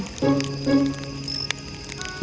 naga api hidup di gunung